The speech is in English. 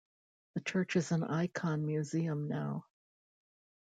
The church is an icon museum now.